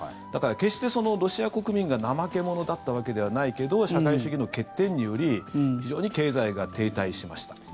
だから、決してロシア国民が怠け者だったわけではないけど社会主義の欠点により非常に経済が停滞しました。